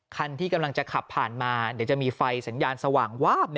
คันที่กำลังจะขับผ่านมาเดี๋ยวจะมีไฟสัญญาณสว่างวาบ